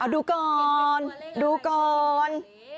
ดูก่อนดูก่อน